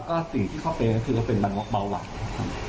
ก็สิ่งที่เขาเป็นก็คือเป็นบันวกเบาหวานครับครับ